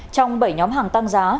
trong bảy nhóm hàng tăng giá